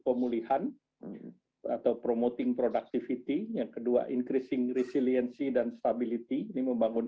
pemulihan atau promoting productivity yang kedua increasing resiliency dan stability ini membangun